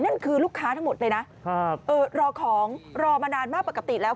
นั่นคือลูกค้าทั้งหมดเลยนะรอของรอมานานมากปกติแล้ว